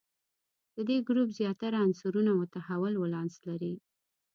د دې ګروپ زیاتره عنصرونه متحول ولانس لري.